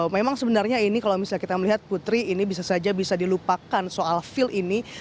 memang sebenarnya ini kalau misalnya kita melihat putri ini bisa saja bisa dilupakan soal feel ini